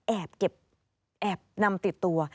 แอบเก็บแอบนำติดตัว